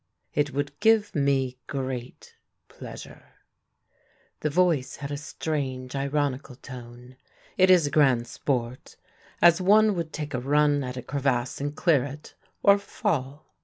" It would give me great pleasure." The voice had a strange, ironical tone. " It is a grand sport — as one would take a run at a crevasse and clear it, or fall.